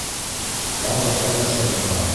Тағы ҡайҙа сабырға?